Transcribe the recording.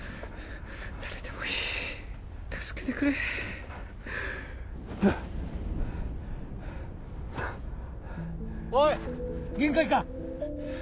誰でもいい助けてくれはあおい限界か？